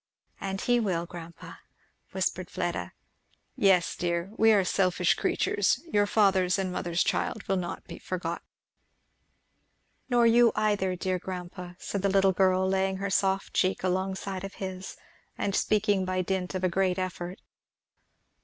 "And he will, grandpa," whispered Fleda. "Yes dear! We are selfish creatures. Your father's and your mother's child will not be forgotten." "Nor you either, dear grandpa," said the little girl, laying her soft cheek alongside of his, and speaking by dint of a great effort.